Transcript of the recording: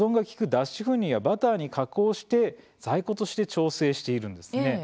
脱脂粉乳やバターに加工して在庫として調整しているんです。